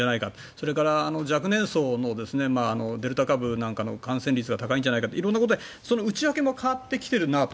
それから若年層のデルタ株なんかの感染率が高いんじゃないか色んなことで内訳も変わってきているなと。